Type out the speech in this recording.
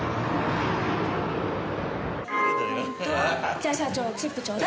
じゃあ社長チップちょうだい。